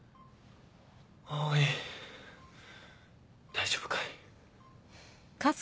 大丈夫かい？